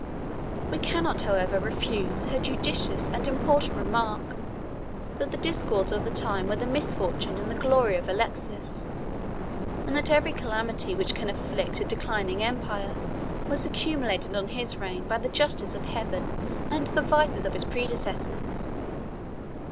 We cannot, however, refuse her judicious and important remark, that the disorders of the times were the misfortune and the glory of Alexius; and that every calamity which can afflict a declining empire was accumulated on his reign by the justice of Heaven and the vices of his predecessors.